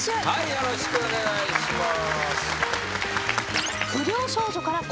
よろしくお願いします。